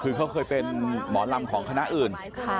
คือเขาเคยเป็นหมอลำของคณะอื่น